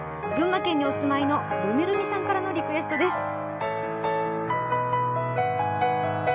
群馬県にお住まいのるみるみさんからのリクエストです。